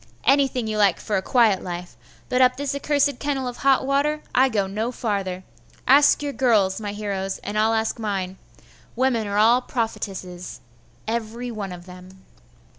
anything you like for a quiet life; but up this accursed kennel of hot water I go no farther. Ask your girls, my heroes, and I'll ask mine. Women are all prophetesses, every one of them.